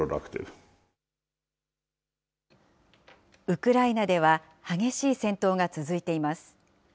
ウクライナでは、激しい戦闘が続いています。